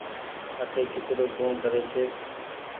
اٺي ڪچرو ڪوڻ ڪري ڇي ۔